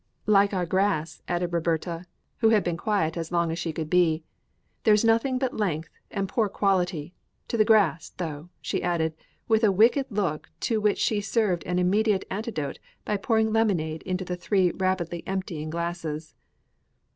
"Like our grass," added Roberta, who had been quiet as long as she could be. "There's nothing but length and poor quality to the grass, though," she added, with a wicked look, to which she served an immediate antidote by pouring lemonade into the three rapidly emptying glasses.